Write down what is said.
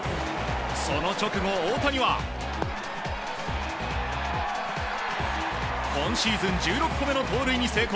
その直後、大谷は今シーズン１６個目の盗塁に成功。